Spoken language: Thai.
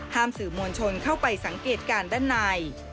สื่อมวลชนเข้าไปสังเกตการณ์ด้านใน